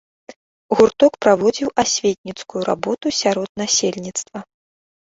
Гурток праводзіў асветніцкую работу сярод насельніцтва.